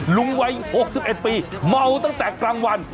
ลุงวัย๖๑ปีเมาตั้งแต่กลางวัน